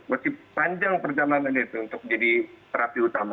masih panjang perjalanannya itu untuk jadi terapi utama